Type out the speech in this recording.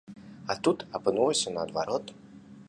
А тут апынулася наадварот.